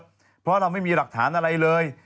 เพราะเราไม่มีหลักฐานอะไรเลย